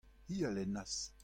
hi a lennas.